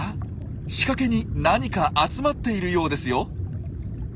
仕掛けに何か集まっているようですよ。